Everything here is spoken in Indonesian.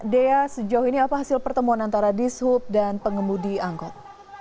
dea sejauh ini apa hasil pertemuan antara dishub dan pengemudi angkot